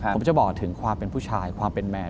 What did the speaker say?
ผมจะบอกถึงความเป็นผู้ชายความเป็นแมน